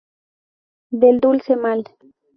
Del dulce mal.